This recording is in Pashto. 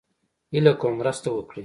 هيله کوم مرسته وکړئ